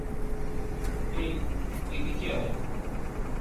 হেই, এদিকে আয়!